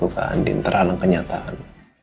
tapi cintaku ke andin terhalang kenyataan